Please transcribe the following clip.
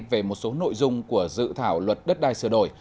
về một số nội dung của dự thảo luật đất đai sửa đổi